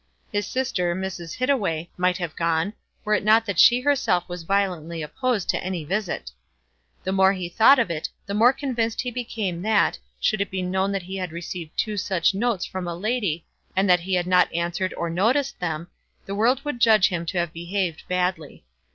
His sister, Mrs. Hittaway, might have gone, were it not that she herself was violently opposed to any visit. The more he thought of it the more convinced he became that, should it be known that he had received two such notes from a lady and that he had not answered or noticed them, the world would judge him to have behaved badly.